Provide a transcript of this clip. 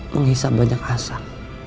menghisap banyak asap